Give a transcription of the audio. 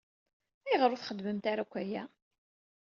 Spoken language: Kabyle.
Ayɣer ur txeddmemt ara akk aya?